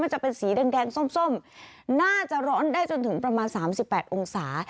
จะเป็นสีแดงส้มน่าจะร้อนได้จนถึงประมาณ๓๘องศา